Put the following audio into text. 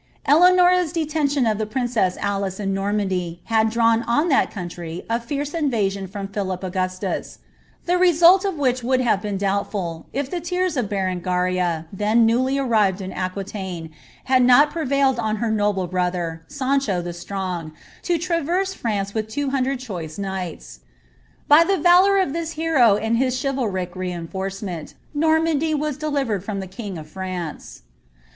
Eleanora's detention of the princess Alice in Normandy, had drawn on that country a fierce invasion from Philip Augustus, the result of which would have been doubtftil, if the tears of Berengaria, then newly urived in Aquitaine, had not prevailed on her noble brother, Sancho the Strong, to traverse France with two hundred choice knights. By the nJour of this hero and his chlvalric reinforcement, Normandy was deli vered from the king of France.